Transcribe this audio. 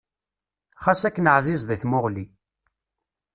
Xas akken ɛzizeḍ i tmuɣli.